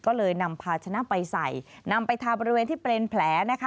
ก็เลยนำพาชนะไปใส่นำไปทาบริเวณที่เป็นแผลนะคะ